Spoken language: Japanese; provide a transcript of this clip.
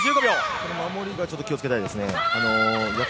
この守りがちょっと気をつけたいですね。